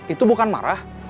itu bukan marah